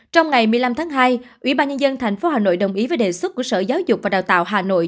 trong ngày một mươi năm tháng hai ủy ban nhân dân tp hà nội đồng ý với đề xuất của sở giáo dục và đào tạo hà nội